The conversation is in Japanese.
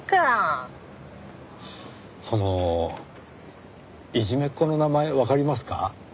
そのいじめっ子の名前わかりますか？